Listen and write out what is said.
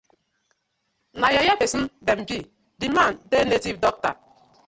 Na yeye pesin dem bi, di man dey native dokta.